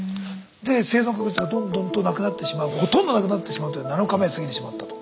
で生存確率がどんどんとなくなってしまうほとんどなくなってしまうという７日目を過ぎてしまったと。